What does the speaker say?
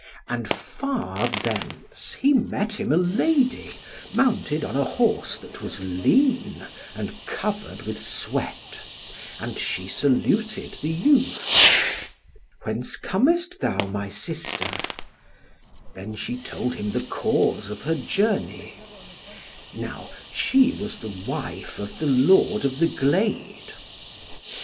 And far thence there met him a lady, mounted on a horse that was lean, and covered with sweat; and she saluted the youth. "Whence comest thou, my sister?" Then she told him the cause of her journey. Now she was the wife of the Lord of the Glade.